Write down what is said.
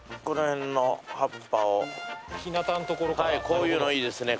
こういうのいいですね。